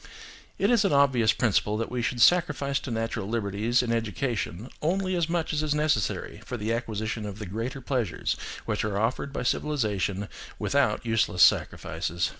It is an obvious principle that we should sacrifice to natural liberties in education only as much as is necessary for the acquisition of the greater pleasures which are offered by civilisation without useless sacrifices.